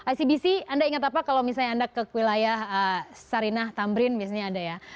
icbc anda ingat apa kalau misalnya anda ke wilayah sarinah tamrin biasanya ada ya